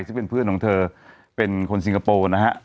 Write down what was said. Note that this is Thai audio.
ซึ่งเป็นเพื่อนของเธอเป็นคนสิงคโปร์นะฮะ